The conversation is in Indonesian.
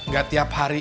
ga tiap hari ini